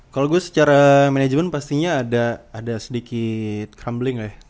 kalau gue secara management pastinya ada sedikit crumbling ya